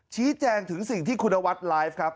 ชี้แจงถึงสิ่งที่คุณนวัดไลฟ์ครับ